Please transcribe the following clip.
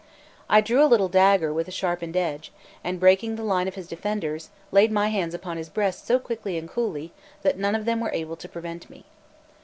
I drew a little dagger with a sharpened edge, and breaking the line of his defenders, laid my hands upon his breast so quickly and coolly, that none of them were able to prevent me.